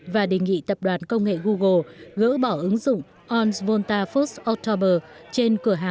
và đề nghị tập đoàn công nghệ google gỡ bỏ ứng dụng onsvote